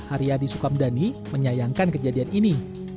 aryadi sukamdhani menyayangkan kejadian ini